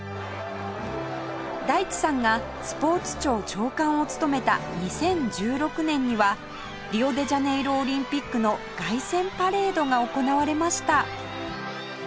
大地さんがスポーツ庁長官を務めた２０１６年にはリオデジャネイロオリンピックの凱旋パレードが行われました